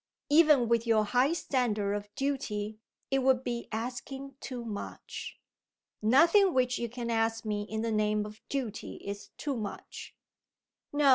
Even with your high standard of duty, it would be asking too much." "Nothing which you can ask me in the name of duty is too much." "No!